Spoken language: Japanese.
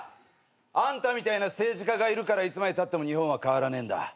あんたみたいな政治家がいるからいつまでたっても日本は変わらねえんだ。